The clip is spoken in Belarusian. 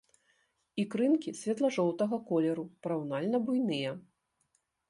Ікрынкі светла-жоўтага колеру, параўнальна буйныя.